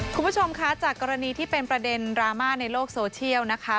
คุณผู้ชมคะจากกรณีที่เป็นประเด็นดราม่าในโลกโซเชียลนะคะ